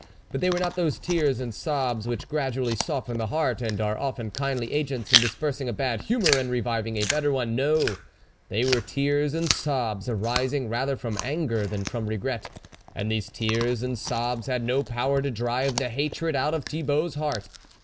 But they were not those tears and sobs which gradually soften the heart and are often kindly agents in dispersing a bad humour and reviving a better one ; no, they were tears and sobs arising rather from anger than from regret, and these tears and sobs had no power to drive the hatred out of Thibault's heart.